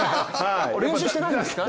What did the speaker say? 練習してないんですか？